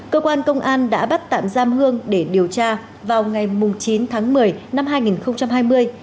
cơ quan công an đã bắt tạm giam hương để điều tra vào ngày chín tháng một mươi năm hai nghìn hai mươi